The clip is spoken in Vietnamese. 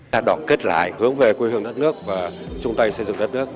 đã đoàn kết lại hướng về quê hương đất nước và chúng ta xây dựng đất nước